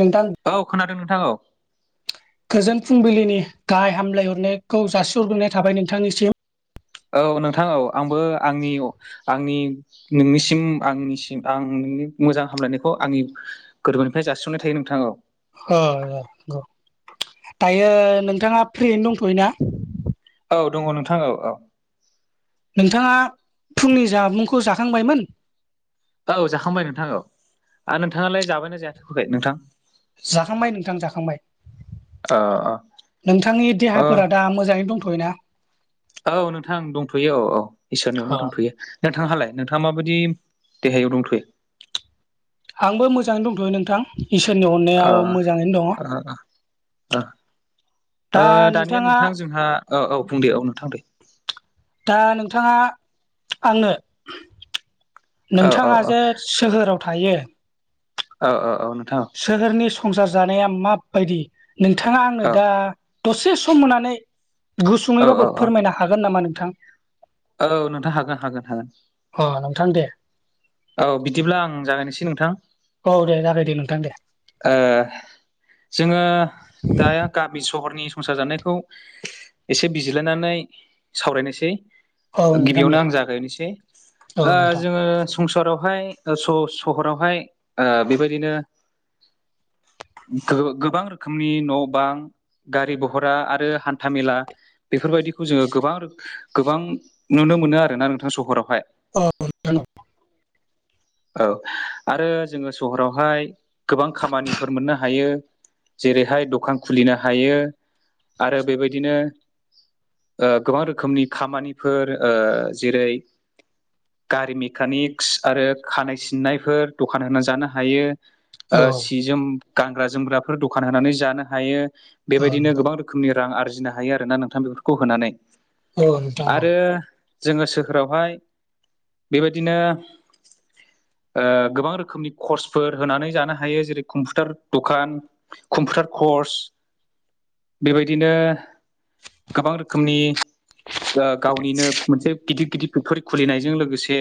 नोंथां औ खोनादों नोंथां औ। गोजोन फुंबिलिनि गाहाइ हामलायहरनायखौ जासिहरग्रोनाय थाबाय नोंथांनिसिम। औ नोंथां औ आंबो आंनि आंनि - नोंनिसिम आंनिसिम आं नोंनि मोजां हामलायनायखौ आंनि गोरबोनिफ्राय जासिहननाय थायो नोंथां औ। [unintelligible] दायो नोंथाङा फ्रियैनो दंथ'यो ना? औ दङ नोंथां औ औ। नोंथाङा फुंनि जामुंखौ जाखांबायमोन? औ जाखांबाय नोंथां औ आरो नोंथाङालाय जाबायना जाथ'आखै नोंथां? जाखांबाय नोंथां जाखांबाय। अ नोंथांनि अ देहाफोरा दा मोजाङै दंथ'यो ना? औ नोंथां दंथ'यो औ औ इसोरनि अननायाव दंथ'यो। नोंथांहालाय नोंथाङा माबादि देहायाव दंथ'यो? आंबो मोजाङैनो दंथ'यो नोंथां। इसोरनि अ अननायाव मोजाङैनो अ दङ। ओ दा दानिया नोंथाङा नोंथां जोंहा औ औ बुं दे औ नोंथां दे। दा नोंथाङा आंनो औ औ नोंथाङा औ जे सोहोराव थायो ओ ओ औ नोंथां औ। सोहोरनि संसार जानाया माबायदि नोंथाङा औ आंनो दा दसे सम होनानै औ औ गुसुङैबाबो औ फोरमायनो हागोन नामा नोंथां? औ नोंथां हागोन हागोन हागोन। अ नोंथां दे औ बिदिब्ला आं जागायनोसै नोंथां। औ दे जागाय दे नोंथां दे। ओ जोङो दा गामि स सहरनि संसार जानायखौ एसे बिजिरलायनानै सावरायनोसै। औ नोंथां गिबियावनो दे आं जागायनोसै औ ओ नोंथां जोङो संसारावहाय ओ स-सहरावहाय ओ बेबायदिनो गो-गोबां रोखोमनि न' बां गारि भहरा आरो हान्थामेला बेफोरबायदिखौ जोङो गोबां रोख गोबां नुनो मोनो आरोना नोंथां सहरावहाय। [inaudible] औ आरो जोङो सहरावहाय गोबां खामानिफोर मोननो हायो। जेरैहाय दखान खुलिनो हायो आरो बेबायदिनो ओ गोबां रोखोमनि खामानिफोर ओ जेरै गारि मेकानिक्स आरो खानाय सिननायफोर दखान होनानै जानो हायो औ जोम गानग्रा जोमग्राफोर दखान होनानै जानो हायो बेबायदिनो गोबां रोखोमनि रां आरजिनो हायो आरोना नोंथां बेफोरखौ होनानै औ नोंथां औ नोंथां औ आरो जोङो सोरोफोरावहाय बेबायदिनो गोबां रोखोमनि कर्सफोर होनानै जानो हायो जेरै कम्पिउटार दखान कम्पिउटार कर्स बेबायदिनो गोबां रोखोमनि ओ गावनिनो मोनसे गिदिर गिदिर फेक्टरि खुलिनायजों लोगोसे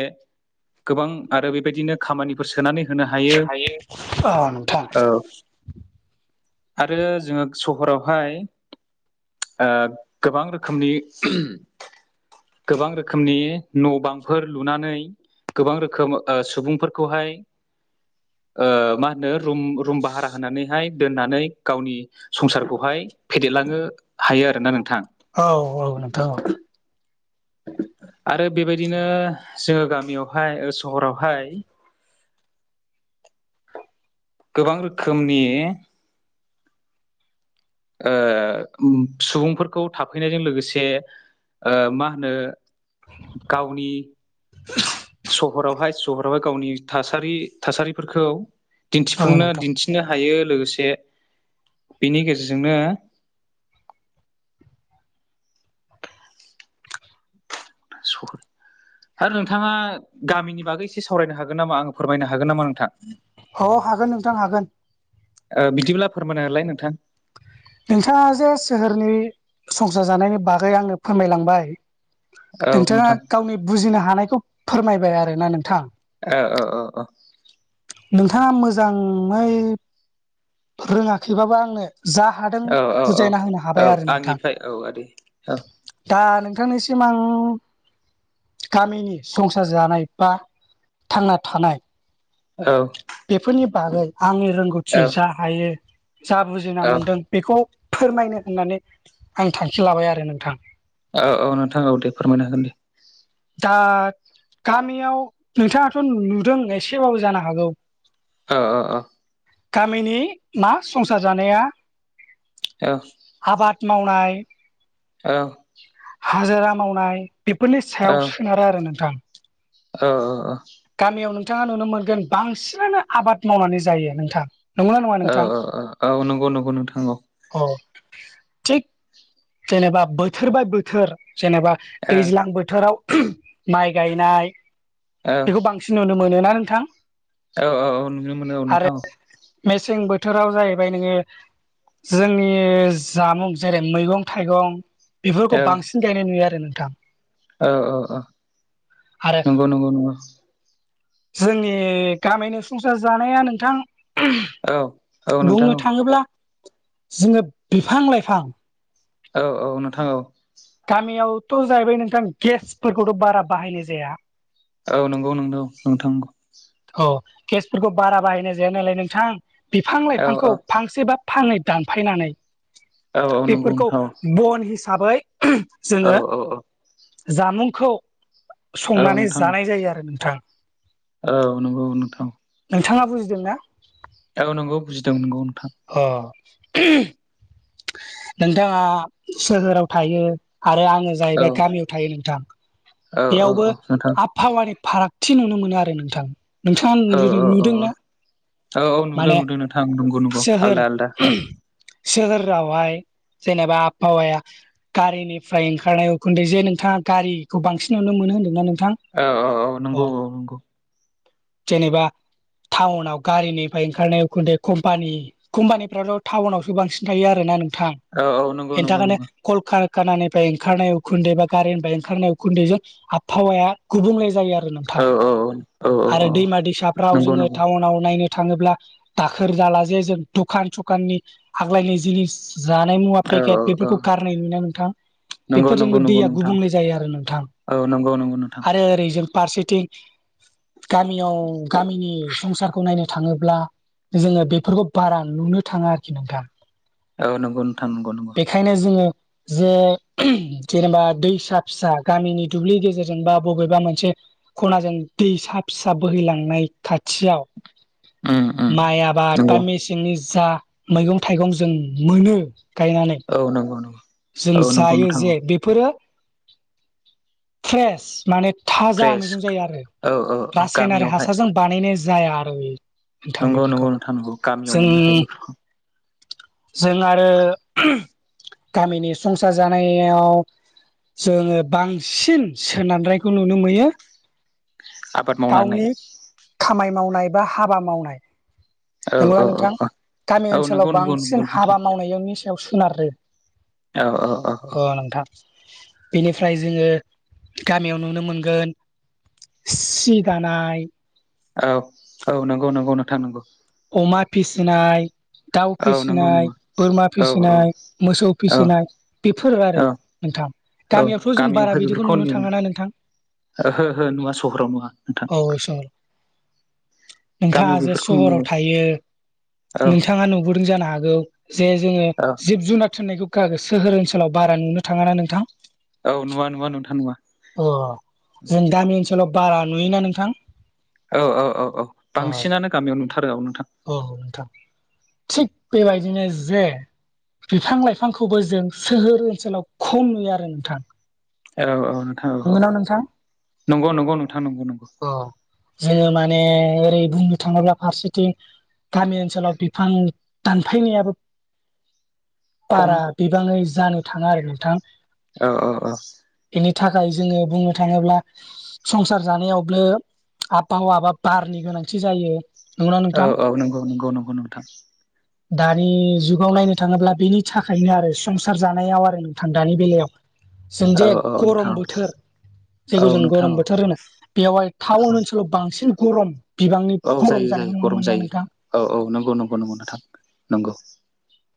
गोबां आरो बेबायदिनो खामानिफोर सोनानै होनो हायो नोंथां औ। आरो जोङो सहरावहाय ओ गोबां रोखोमनि गोबां रोखोमनि न' बांफोर लुनानै गोबां रोखोम सुबुंफोरखौहाय मा होनो रुम रुम भारा होनानैहाय दोननानै गावनि संसारखौहाय फेदेरलांनो हायो आरोना नोंथां औ औ नोंथां औ आरो बेबायदिनो जोङो गामियावहाय सहरावहाय गोबां रोखोमनि ओ सुबुंफोरखौ थाफैनायजों लोगोसे मा होनो गावनि [inaudible] सहरावहाय सहरावहाय गावनि थासारि थासारिफोरखौ औ दिन्थिफुंनो नोंथां दिथि नो हायो लोगोसे बेनि गेजेरजोंनो सह आरो नोंथाङा गामिनि बागै एसे सावरायनो हागोन नामा आङो फोरमायनो हागोन नामा नोंथां अ हागोन नोंथां हागोन बिदिब्ला फोरमाय हालाय नोंथां नोंथाङा जे सोहोरनि संसार जानायनि बागै आंनो फोरमायलांबाय औ नोंथाङा नोंथां गावनि बुजिनो हानायखौ फोरमायबाय आरोना नोंथां अ अ नोंथाङा मोजाङै रोङाखैबाबा आंनो जा हादों औ औ औ बुजायना होनो औ हाबाय आरो नोंथां आंनिफ्राय औ आदै औ दा नोंथांनिसिम आं गामिनि संसार जानाय बा थांना थानाय औ बेफोरनि बागै आंनि औ रोंगौथि जा हायो जा बुजिना औ मोनदों बेखौ फोरमायनो होननानै आं थांखि लाबाय आरो नोंथां औ औ नोंथां दे फोरमायनो हागोन दे दा गामियाव नोंथाङाथ' नुदों एसेबाबो जानो हागौ अ अ अ गामिनि ना संसार जानाया औ आबाद मावनाय औ हाजिरा मावनाय बेफोरनि सायाव सोनारो आरो नोंथां औ औ औ गामियाव नोंथाङा नुनो मोनगोन बांसिनानो आबाद मावनानै जायो नोंथाङा औ औ औ औ नंगौ नंगौ नोंथां औ जेनेबा बोथोर बाय बोथोर जेनेबा दैज्लां बोथोराव माइ गायनाय औ बेखौ बांसिन नुनो मोनो ना नोंथां? औ औ औ नुनो मोनो औ आरो नोंथां मेसें बोथोराव जाहैबाय नोङो जोंनि जामुं जेरै मैगं थाइगं औ बेफोरखौ बांसिन गायनाय नुयो आरो नोंथां। औ औ औ आरो नंगौ नंगौ नंगौ जोंनि गामिनि संसार जानाया नोंथां औ औ नोंथां बुंनो थाङोब्ला जोङो बिफां लाइफां औ औ नोंथां औ गामियावथ' जाहैबाय नोंथां गेसफोरखौथ' बारा बाहायनाय जाया औ नंगौ नंगौ नोंथां औ औ केसफोरखौ बारा बाहायनाय जाया नालाय नोंथां बिफां औ लाइफांखौ फांसेबा फाङै दानफायनानै औ औ नंगौ बेफोरखौ नोंथां बन हिसाबै औ जोङो औ जामुंखौ औ संनानै नोंथां जानाय जायो आरो नोंथां। औ नंगौ नोंथां नोंथाङा बुजिदों ना? औ नंगौ बुजिदों नंगौ नोंथां। ओ नोंथाङा सोहोराव थायो आरो आङो औ जाहैबाय गामियाव थायो नोंथां औ औ बेयावबो औ नोंथां आबहावानि फारागथि नुनो मोनो आरो नोंथां नोंथाङा औ औ औ नु-नुदोंना? औ औ नुदों नुदों नोंथांं नंगौ नंगौ आलदा आलदा सोहोर सोहोरावहाय जेनेबा आबहावाया गारिनिफ्राय ओंखारनाय उखुन्दै जे नोंथाङा गारिखौ बांसिन नुनो मोनो होन्दोंना नोंथां? औ औ औ नंगौ अ औ नंगौ जेनेबा टाउनाव गारिनिफ्राय ओंखारनाय उखुन्दै कम्पानि कम्पानिफ्राथ' टाउनावसो बांसिन थायो आरो ना नोंथां औ औ नंगौ बेनि नंगौ थाखायनो नंगौ कलकारखानानिफ्राय ओंखारनाय उखुन्दै बा गारिनिफ्राय ओंखारनाय उखुन्दैजों आबहावाया गुबुंले जायो आ रो औ नोंथां औ औ औ आरो औ दैमा दैसाफ्राव नंगौ जोङो नंगौ टाउनाव नायनो थाङोब्ला खोर जाला जे जों दुखान सुखाननि आग्लायनाय जिनिस जानाय मुवा औ पेकेट औ औ बेफोरखौ गारनाय नुयोना नोंथां? नंगौ नंगौ बेफोरजोंबो दैया गुबुंले जायो आरो नोंथां। ओ नंगौ नोंथां आरो ओरै जों फारसेथिं गामियाव गामिनि संसारखौ नायनो थाङोब्ला जोङो बेफोरखौ बारा नुनो थाङा आरोखि नोंथां औ नंगौ नोंथां नंगौ नंगौ बेखायनो जोङो जे जेनेबा दैसा फिसा गामिनि दुब्लि गेजेरजों बा बबेबा मोनसे खनाजों दैसा फिसा बोहैलांनाय खाथियाव उम उम माइ आबाद बा नंगौ मेसेंनि जा मैगं थाइगं जों मोनो गायनानै औ नंगौ नंगौ जों औ नंगौ जायो नोंथां औ जे बे फोरो फ्रेस माने थाजा फ्रेस मैगं जायो आरो औ औ औ रासायनारि गामियावहाय हासारजों बानायनाय जाया आरो बियो नंगौ नंगौ नोंथां नंगौ गामियाव मोननो हायो बेफोरखौ जों आरो गामिनि संसार जानायाव जोङो बांसिन सोनारनायखौ नुनो मोयो। आबाद मावनानै गावनि खामानि मावनाय बा हाबा मावनाय औ औ नंगौना औ नोंथां औ गामि औ ओनसोलाव नंगौ नंगौ बांसिन नंगौ हाबा नोंथां मावनायाव याव सोनारो औ औ औ ओ नोंथां बेनिफ्राय जोङो गामियाव नुनो मोनगोन सि दानाय औ औ नंगौ नंगौ नोंथां नंगौ अमा फिसिनाय दाउ औ नंगौ फिसिनाय नंगौ बोरमा औ औ फिसिनाय मोसौ औ फिसिनाय बेफोरो आरो औ नोंथां औ गामियावथ' जों बारा गामियावहाय बिदिखौ बेफोरखौ नु नुनो थाङ ना नोंथां ओहो ओहो नुवा सहराव नुवा नोंथां औ सहर नोंथाङा गामियाव जे बेफोरखौ नुयो सहराव थायो औ नोंथाङा नुबोदों जानो हागौ जे जोङो औ जिब जुनार थोननायखौो सोहोर ओनसोलाव बारा नुनो थाङाना नोंथां? औ नुवा नुवा नोंथां नुवा अ जों गामि ओनसोलाव बारा नुयोना नोंथां? औ औ औ औ बांसिनानो गामियाव नुथारो आ नोंथां औ नोंथां थिग बेबायदिनो जे बिफां लाइफांखौबो जों सोहोर ओनसोलाव खम नुयो आरो नोंथां। औ औ नोंथां औ औ नंगौना नोंथां नंगौ नंगौ नोंथां नंगौ नंगौ अ जोङो माने ओरै बुंनो थाङोब्ला फारसे गामि ओनसोलाव बिफां दानफायनायाब खम बारा बिबाङै जानो थाङा आरो नोंथां औ औ औ बेनि थाखाय जोङो बुंनो थाङोब्ला संसार जानायावबो आबहाव बा बारनि गोनांथि जायो नंगौना औ नोंथां औ नंगौ नंगौ नंगौ नोंथां दानि जुगाव नायनो थाङोब्ला बेनि थाखायनो आरो संसार जानायाव आरो नोंथां दानि बेलायाव औ जोंजे औ गरम नोंथां बोथोर औ जायखौ जों नोंथां गरम औ बोथोर होनो बेवहाय टाउन ओनसोलाव बांसिन गरम बिबांनि औ गरम जायो जानायखौ नुनो गरम मोनोना नोंथां जायो औ औ नंगौ नंगौ नंगौ नोंथां नंगौ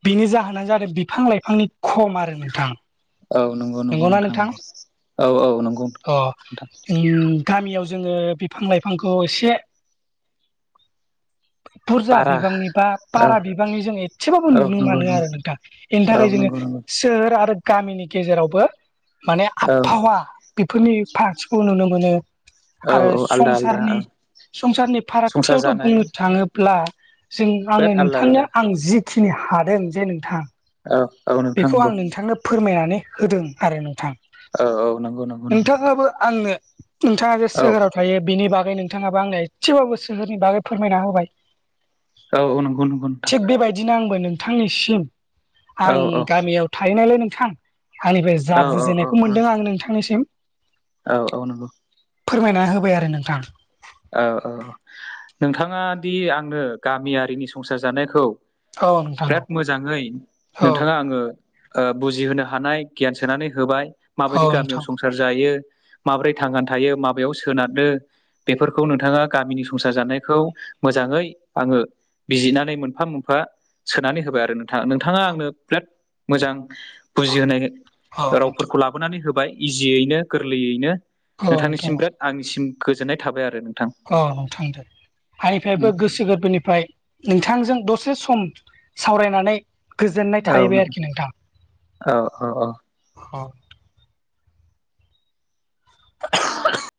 बिनि जाहोनानो जादों बिफां लाइफांनि खम आरो नोंथां औ नंगौ नंगौ नोंथां नंगौ औ औ नंगौ अ नथां उम गामियाव जोङो बिफां लाइफांखौ एसे बुरजा बारा बिबांनि बा औ बारा बिबांनि जों एसेबाबो औ नुनो नंगौ मोनो नंगौ आरो नोंथां बेनि औ थाखाय जोङो नंगौ नंगौ सोहोर आरो गामिनि गेजेरावबो माने औ आबहावा बेफोरनि पार्टसखौ नुनो मोनो औ आरो औ आलदा आलदा संसारनि औ संसारनि संसार फारागथियावथ' जानाय बुंनो थाङोब्ला ब्ला जों बिराद आङो आलदा आलदा नोंथांनो आं जिखिनि हादों जे नोंथां औ औ नों बेखौ आं नोंथांनो फोरमायनानै होदों आरो नोंथां औ औ नंगौ नंगौ नंगौ नोंथाङाबो आंनो नोंथाङा जे औ सोहोराव ओमफ्रायो बेनि बागै नोंथाङाबो आंनो एसेबाबो सोहोरनि बागै फोरमायना होबाय औ नंगौ नंगौ नोंथां थिग बेबायदिनो आंबो नोंथांनिसिम औ आं औ गामियाव थाहनायलै नोंथां आंनिफ्राय औ जा औ बुजिनायखौ मोनदों आं नोंथांनिसिम औ औ नंगौ फोरमायना होबाय आरो नोंथां औ औ नोंथाङा दि आंनो गामियारिनि संसार जानायखौ औ नोंथां बिराद मोजाङै औ नोंथाङा आङो बुजिहोनो हानाय गियान सोनानै होबाय औ माबायदि गामियाव नोंथां संस सार जायो माब्रै थांनानै थायो माबायाव सोनारनो बेफोरखौ नोंथाङा गामिनि संसार जानायखौ मोजाङै आङो बिजिरनानै मोनफा मोनफा सोनानै होबाय आरो नोंथाङ नोंथाङा आंनो बिराद मोजां बुजिहोनाय औ नोंथां रावफोरखौ लाबोनानै होबाय इजियैनो गोरलैयैनो औ नोंथां नोंथांनिसिम बिराद आंनिसिम गोजोननाय थाबाय आरो नों औ नोंथांदो आनिफ्रायबो गोसो गोरबोनिफ्राय नोंथांजों दसे सम सावरायनानै गोजोननाय औ थाहैबाय नोंथां आरोखि औ औ औ नोंथां [unintelligible]